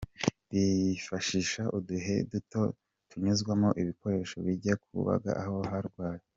Bifashisha uduheha duto tunyuzwamo ibikoresho bijya kubaga aho harwaye.